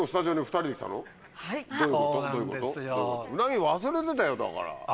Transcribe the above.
ウナギ忘れてたよだから。